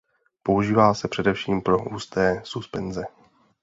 Používá se především pro husté suspenze.